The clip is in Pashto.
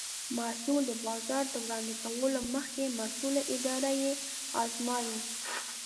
محصول د بازار ته وړاندې کولو مخکې مسؤله اداره یې ازمایي.